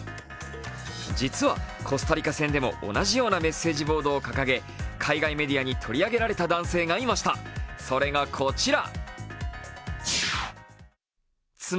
実は、コスタリカ戦でも同じようなメッセージボードを掲げ、海外メディアに取り上げられた男性がいました、それがこちら。